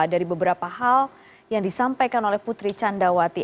dari beberapa hal yang disampaikan oleh putri candrawati